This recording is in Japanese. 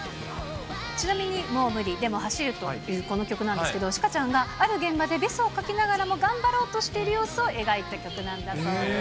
ちなみにもう無理、でもはしるこの曲なんですけど、朱夏ちゃんがある現場でべそをかきながらも頑張ろうとしている様子を描いた曲なんだそうです。